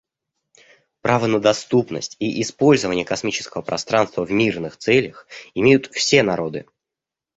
Право на доступность и использование космического пространства в мирных целях имеют все народы.